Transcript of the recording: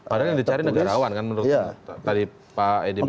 padahal yang dicari negarawan kan menurut pak edi meski